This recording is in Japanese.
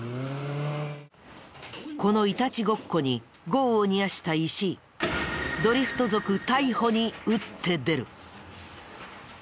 このいたちごっこに業を煮やした石井ドリフト族逮捕に打って出る。